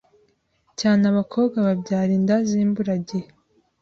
cyane abakobwa babyara inda z’imburagihe.